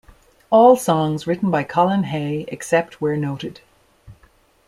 All songs written by Colin Hay, except where noted.